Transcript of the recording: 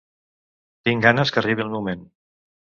Tinc ganes que arribi el moment